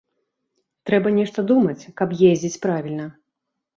Трэба нешта думаць, каб ездзіць правільна.